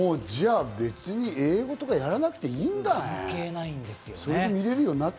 じゃあ別に、英語とかやらなくていいんだね。